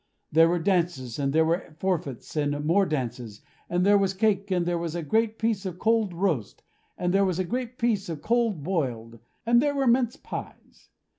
There were dances, and there were forfeits, and more dances, and there was cake, and there was a great piece of Cold Roast, and there was a great piece of Cold Boiled, and there were mince pies.